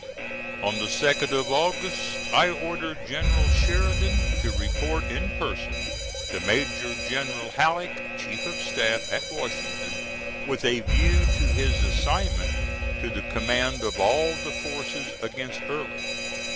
On the 2d of August, I ordered General Sheridan to report in person to Major General Halleck, chief of staff, at Washington, with a view to his assignment to the command of all the forces against Early.